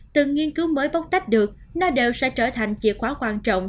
từng nghiên cứu mới bóc tách được nó đều sẽ trở thành chìa khóa quan trọng